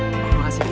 terima kasih pak